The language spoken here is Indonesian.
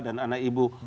dan anak ibu